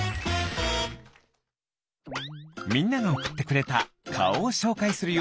みんながおくってくれたかおをしょうかいするよ。